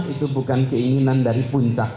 itu bukan keinginan dari puncak